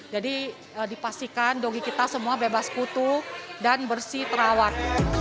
jadi dipastikan dogi kita semua bebas kutu dan bersih terawat